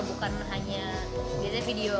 bukan hanya biasanya video